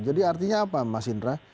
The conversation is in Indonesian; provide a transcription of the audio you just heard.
jadi artinya apa mas indra